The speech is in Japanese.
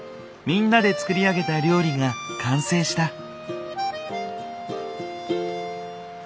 みんなで作り上げた料理が完成した。